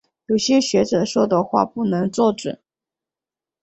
有些学者说的话不能做准。